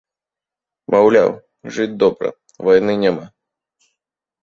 Маўляў, жыць добра, вайны няма.